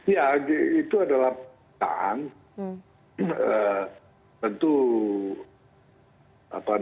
ya itu adalah perintahan